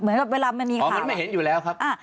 เหมือนกับเวลามันมีข่าวมันไม่เห็นอยู่แล้วครับ